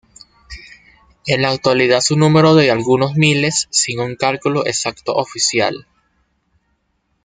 En la actualidad su número de algunos miles, sin un cálculo exacto oficial.